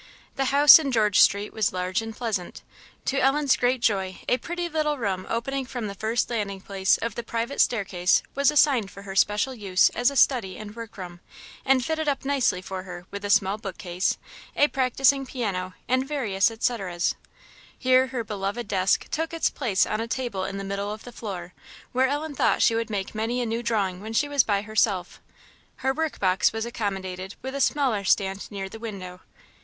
The house in George street was large and pleasant. To Ellen's great joy, a pretty little room opening from the first landing place of the private staircase was assigned for her special use as a study and work room, and fitted up nicely for her with a small bookcase, a practising piano, and various etceteras. Here her beloved desk took its place on a table in the middle of the floor, where Ellen thought she would make many a new drawing when she was by herself. Her work box was accommodated with a smaller stand near the window.